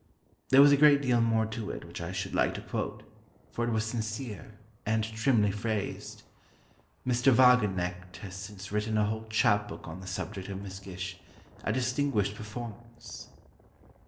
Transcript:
There was a great deal more to it which I should like to quote, for it was sincere, and trimly phrased. Mr. Wagenknecht has since written a whole chapbook on the subject of Miss Gish, a distinguished performance.